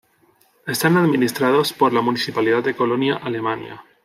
Están administrados por la municipalidad de Colonia, Alemania.